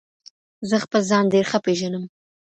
زه خپل ځان ډیر ښه پیژنم.